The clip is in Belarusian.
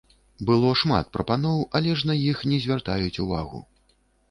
Было шмат прапаноў, але ж на іх не звяртаюць увагу.